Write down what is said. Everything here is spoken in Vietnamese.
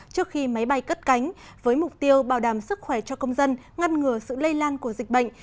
trước khi máy bay cất cánh với mục tiêu bảo đảm sức khỏe cho công dân ngăn ngừa sự lây lan của dịch bệnh